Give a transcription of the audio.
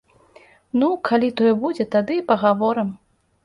Ну, калі тое будзе, тады і пагаворым.